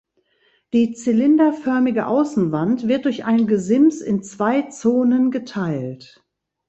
Die zylinderförmige Außenwand wird durch ein Gesims in zwei Zonen geteilt.